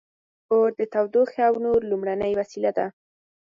• اور د تودوخې او نور لومړنۍ وسیله وه.